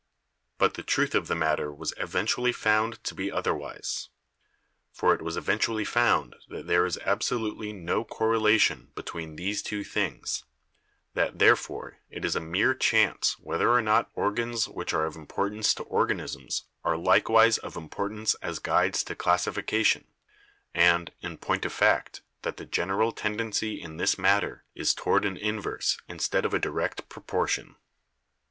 But the truth of the matter was eventually found to be otherwise. For it was eventu ally found that there is absolutely no correlation between these two things; that, therefore, it is a mere chance whether or not organs which are of importance to or ganisms are likewise of importance as guides to classifica tion, and, in point of fact, that the general tendency in this matter is toward an inverse instead of a direct pro portion.